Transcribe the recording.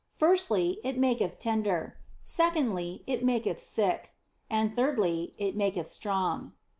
Firstly, it maketh tender ; secondly, it maketh sick ; and thirdly, it maketh strong.